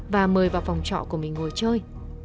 và mời vào phòng trọ của mình ngồi chơi